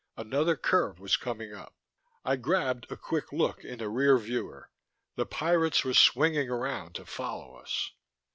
Another curve was coming up. I grabbed a quick look in the rear viewer: the pirates were swinging around to follow us.